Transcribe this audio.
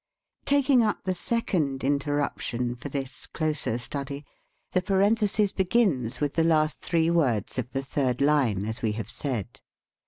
Taking up the second interruption for this closer study: The parenthesis begins with the last three words of the third line, as we have said.